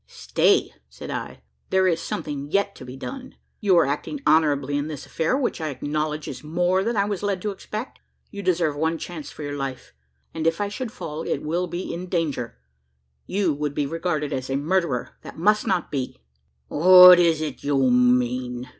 "Stay!" said I; "there is something yet to be done. You are acting honourably in this affair which I acknowledge is more than I was led to expect. You deserve one chance for your life; and if I should fall it will be in danger. You would be regarded as a murderer: that must not be." "What is't you mean?"